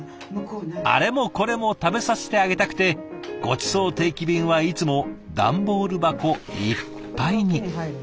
あれもこれも食べさせてあげたくてごちそう定期便はいつもダンボール箱いっぱいに。